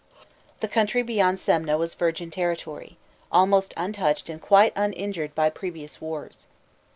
The country beyond Semneh was virgin territory, almost untouched and quite uninjured by previous wars.